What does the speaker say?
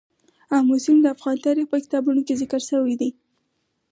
آمو سیند د افغان تاریخ په کتابونو کې ذکر شوی دي.